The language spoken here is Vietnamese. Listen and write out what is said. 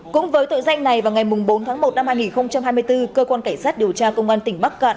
cũng với tội danh này vào ngày bốn tháng một năm hai nghìn hai mươi bốn cơ quan cảnh sát điều tra công an tỉnh bắc cạn